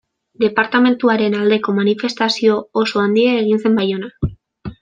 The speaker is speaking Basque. Departamenduaren aldeko manifestazio oso handia egin zen Baionan.